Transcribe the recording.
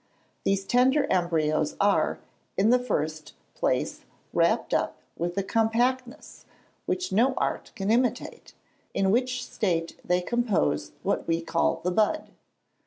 These tender embryos are, in the first place wrapped up with a compactness, which no art can imitate; in which state they compose what we call the bud.